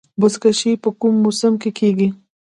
بزکشي په کوم موسم کې کیږي؟